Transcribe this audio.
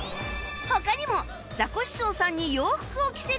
他にもザコシショウさんに洋服を着せるゲームや